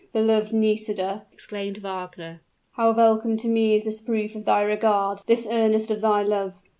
"Beloved Nisida!" exclaimed Wagner, "how welcome to me is this proof of thy regard, this earnest of thy love."